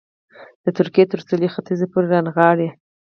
د ترکیې تر سوېل ختیځ پورې رانغاړي.